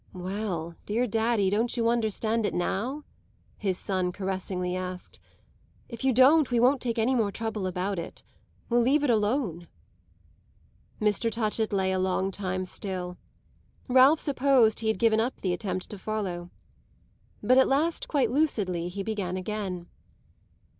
"Well, dear daddy, don't you understand it now?" his son caressingly asked. "If you don't we won't take any more trouble about it. We'll leave it alone." Mr. Touchett lay a long time still. Ralph supposed he had given up the attempt to follow. But at last, quite lucidly, he began again.